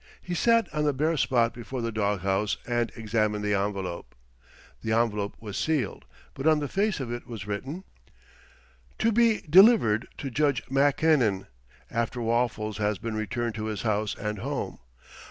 He sat on the bare spot before the dog house and examined the envelope. The envelope was sealed, but on the face of it was written: To be delivered to Judge Mackinnon, after Waffles has been returned to his house and home.